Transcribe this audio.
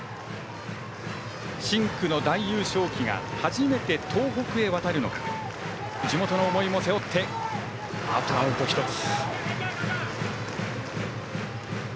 深紅の大優勝旗が初めて東北へ渡るのか地元の思いも背負ってあとアウト１つ。